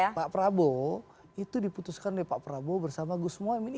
duit duet pak prabowo itu diputuskan oleh pak prabowo bersama gus mohaimin